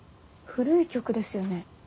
古い曲ですよね？